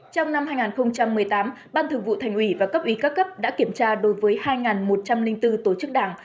trong năm hai nghìn một mươi tám ban thường vụ thành ủy và cấp ủy các cấp đã kiểm tra đối với hai một trăm linh bốn tổ chức đảng